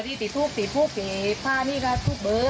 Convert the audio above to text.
ที่ครูบที่ห้านี่ราชกุตเบอร์